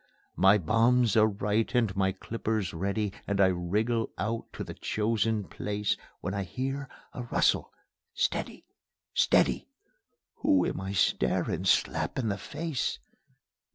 My bombs are right and my clippers ready, And I wriggle out to the chosen place, When I hear a rustle ... Steady! ... Steady! Who am I staring slap in the face?